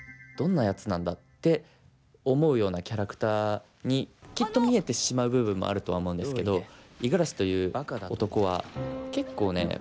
どんなやつなんだ」って思うようなキャラクターにきっと見えてしまう部分もあるとは思うんですけど五十嵐という男は結構ね